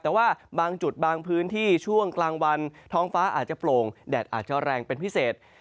แต่ว่าบางจุดบางพื้นที่ช่วงกลางวันท้องฟ้าอาจจะโปร่งแดดอาจจะแรงเป็นพิเศษ